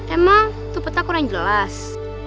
emang itu peta kurang jelas